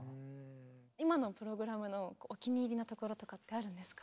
今のプログラムのお気に入りのところとかってあるんですか？